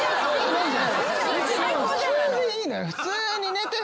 普通でいいのよ。